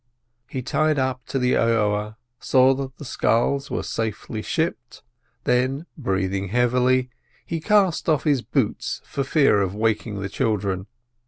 He tied up to the aoa, saw that the sculls were safely shipped; then, breathing heavily, he cast off his boots for fear of waking the "childer."